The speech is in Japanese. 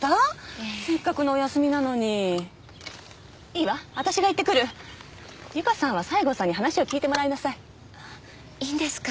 ええせっかくのお休みなのにいいわ私が行ってくる由香さんは西郷さんに話を聞いてもらいなさいいいんですか？